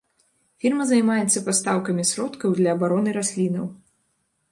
Фірма займаецца пастаўкамі сродкаў для абароны раслінаў.